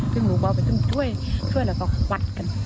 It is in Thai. เพื่อหมู่บ่าไปช่วยช่วยแล้วก็หวัดกัน